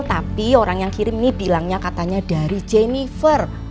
tapi orang yang kirim ini bilangnya katanya dari jennifer